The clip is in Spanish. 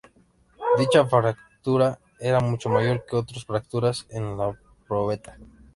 Dicha fractura era mucho mayor que otras fracturas en la probeta.